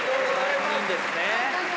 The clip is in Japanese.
「３人ですね」